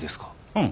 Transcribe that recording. うん。